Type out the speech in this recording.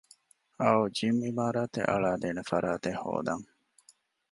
އައު ޖިމް އިމާރާތެއް އަޅައިދޭނޭ ފަރާތެއް ހޯދަން